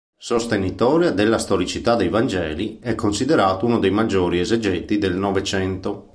Sostenitore della storicità dei Vangeli, è considerato uno dei maggiori esegeti del Novecento.